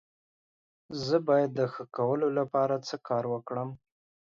زه باید د ښه کولو لپاره څه کار وکړم؟